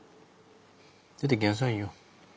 出てきなさいよ。